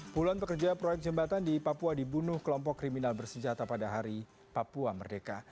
puluhan pekerja proyek jembatan di papua dibunuh kelompok kriminal bersenjata pada hari papua merdeka